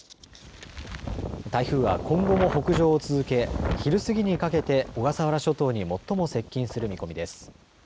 台風は今後も北上を続け昼過ぎにかけて小笠原諸島に最も接近する見込みです。